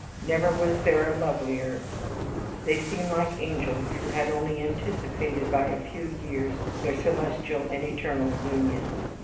Never was there a lovelier, they seemed like angels who had only anticipated by a few years their celestial and eternal union.